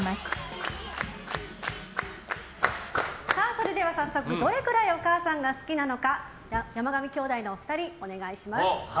それでは早速どれくらいお母さんが好きなのか山上兄弟のお二人、お願いします。